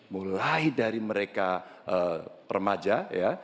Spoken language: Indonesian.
mulai dari mereka remaja ya